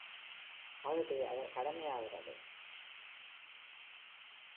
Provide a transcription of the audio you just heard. அஃது அவர் கடமையாகிறது.